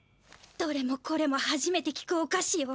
どれもこれもはじめて聞くおかしよ。